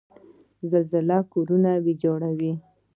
زلزله کورونه ویجاړوي.